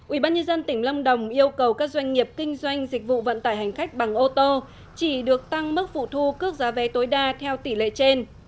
ubnd tỉnh lâm đồng yêu cầu các doanh nghiệp kinh doanh dịch vụ vận tải hành khách bằng ô tô chỉ được tăng mức phụ thu cước giá vé tối đa theo tỷ lệ trên